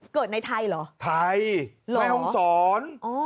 เกิดในไทยหรอไทยแม่ฮ่องศรอ๋อ